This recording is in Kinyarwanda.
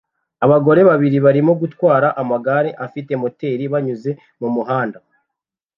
Abagore babiri barimo gutwara amagare afite moteri banyuze mumuhanda